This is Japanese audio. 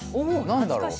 何だろう？